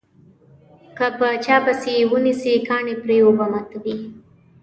که په چا پسې یې ونسي کاڼي پرې اوبه ماتوي.